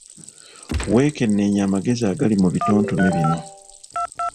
Wekenneenye amagezi agali mu bitontome bino.